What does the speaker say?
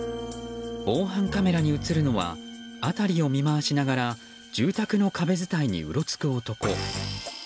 防犯カメラに映るのは辺りを見回しながら住宅の壁伝いにうろつく男。